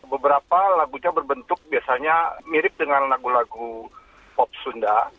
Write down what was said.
beberapa lagunya berbentuk biasanya mirip dengan lagu lagu pop sunda